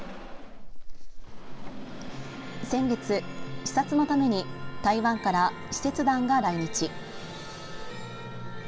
先月、視察のために台湾から使節団が来日。